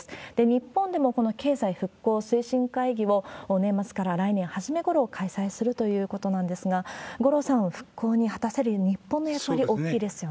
日本でもこの経済復興推進会議を年末から来年初め頃、開催するということなんですが、五郎さん、復興に果たせる日本の役割、大きいですよね。